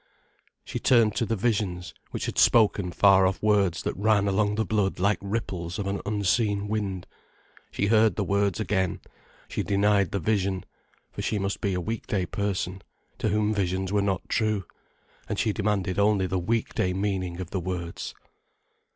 She turned to the visions, which had spoken far off words that ran along the blood like ripples of an unseen wind, she heard the words again, she denied the vision, for she must be a weekday person, to whom visions were not true, and she demanded only the weekday meaning of the words.